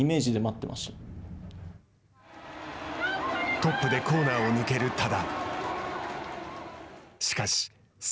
トップでコーナーを抜ける多田。